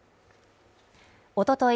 おととい